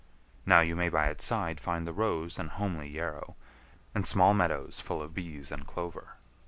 Now you may by its side find the rose and homely yarrow, and small meadows full of bees and clover.